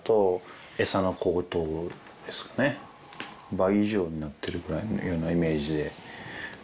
倍以上になってるぐらいのようなイメージで。